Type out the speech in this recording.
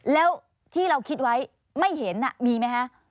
แล้วที่เราคิดไว้ไม่เห็นมีไหมคะ